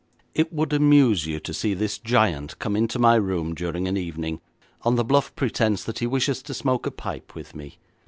It would amuse you to see this giant come into my room during an evening, on the bluff pretence that he wishes to smoke a pipe with me.